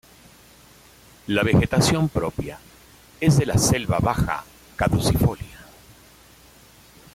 La vegetación propia es la de la selva baja caducifolia.